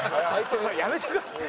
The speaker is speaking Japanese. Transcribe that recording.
やめてください。